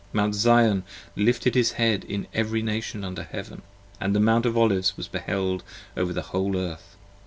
Mount Zion lifted his head in every Nation under heaven: And the Mount of Olives was beheld over the whole Earth.